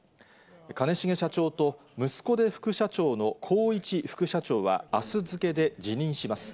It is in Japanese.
兼重社長と息子で副社長の宏一副社長はあす付けで辞任します。